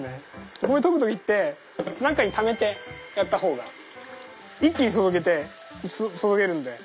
お米とぐ時って何かにためてやった方が一気に注げて注げるんで。